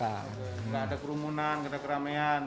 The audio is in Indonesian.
tidak ada kerumunan tidak ada keramaian